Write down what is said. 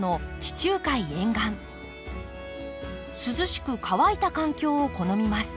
涼しく乾いた環境を好みます。